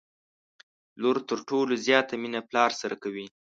لور تر ټولو زياته مينه پلار سره کوي